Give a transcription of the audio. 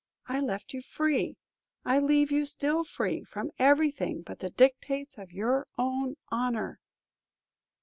I left you free, I leave you still free, from everything but the dictates of your own honor."